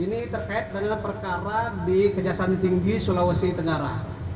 ini terkait dengan perkara di kejaksaan tinggi sulawesi tenggara